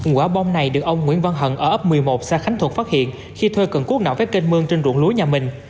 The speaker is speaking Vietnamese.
quả bom này được ông nguyễn văn hận ở ấp một mươi một xã khánh thuận phát hiện khi thuê cần cút nạo vé kênh mương trên ruộng lúa nhà mình